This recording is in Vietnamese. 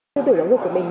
tư tưởng giáo dục của mình